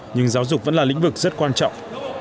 nhưng giáo dục vẫn là lĩnh vực rất quan trọng